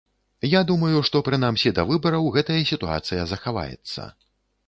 Я думаю, што прынамсі да выбараў гэтая сітуацыя захаваецца.